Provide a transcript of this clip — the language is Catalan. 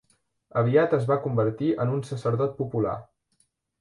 Aviat es va convertir en un sacerdot popular.